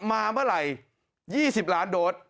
มาเมื่อไหร่๒๐ล้านโดส